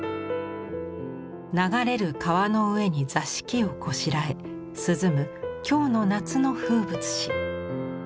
流れる川の上に座敷をこしらえ涼む京の夏の風物詩。